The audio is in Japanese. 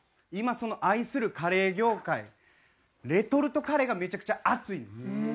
今その愛するカレー業界レトルトカレーがめちゃくちゃ熱いんです。